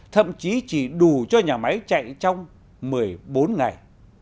thậm chí chỉ đủ cho nhà máy chạy trong một mươi bốn ngày